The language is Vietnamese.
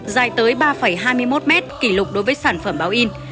dài tới ba hai mươi một mét kỷ lục đối với sản phẩm báo in